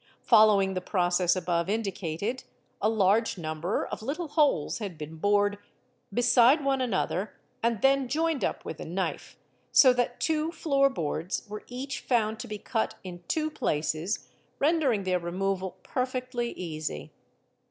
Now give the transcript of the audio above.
Following the process above indicated, a large number of little Fig. 140. holes had been bored beside one another and then joined up with a knife, so that two floor boards were each found to be cut in two places rendering their removal perfectly easy.